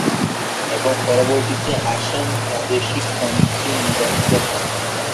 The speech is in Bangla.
এবং পরবর্তীতে আসাম প্রাদেশিক কমিটিতে নির্বাচিত হন।